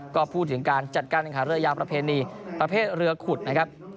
ก็พูดถึงการจัดการแข่งขันเรือยาวประเพณีประเภทเรือขุดนะครับ